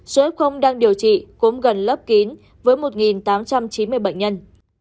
số f đang điều trị cũng gần lớp kín với một tám trăm chín mươi bệnh nhân